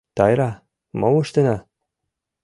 Тайра, мом ыштена?